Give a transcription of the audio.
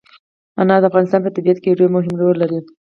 انار د افغانستان په طبیعت کې یو ډېر مهم رول لري.